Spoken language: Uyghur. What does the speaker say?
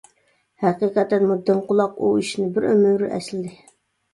ھەقىقەتەنمۇ دىڭ قۇلاق ئۇ ئىشنى بىر ئۆمۈر ئەسلىدى.